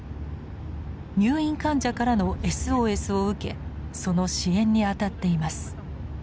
入院患者からのＳＯＳを受けその支援にあたっています。